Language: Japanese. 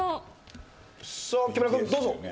さあ木村君どうぞ。